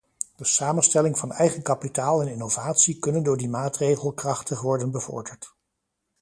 De samenstelling van eigen kapitaal en innovatie kunnen door die maatregel krachtig worden bevorderd.